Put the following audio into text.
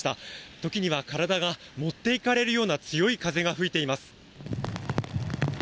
時には体が持っていかれるような強い風が吹いています。